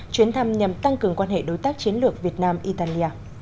chuyến thăm nhằm tăng cường quan hệ đối tác chiến lược việt nam italia